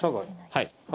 はい。